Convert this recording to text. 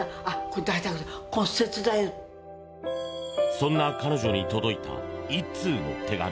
そんな彼女に届いた１通の手紙。